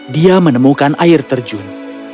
dia menemukan air terjun